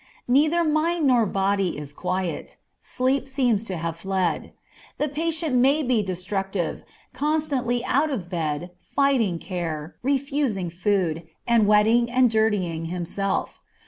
Neither mind nor body is quiet; sleep seems to have fled. The patient may be destructive, constantly out of bed, fighting care, refusing food, and wetting and dirtying himself.